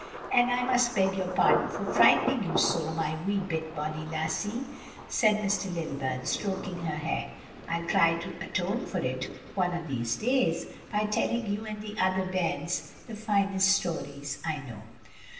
"And I must beg your pardon for frightening you so, my wee bit bonny lassie," said Mr. Lilburn, stroking her hair. "I'll try to atone for it, one o' these days, by telling you and the other bairns the finest stories I know."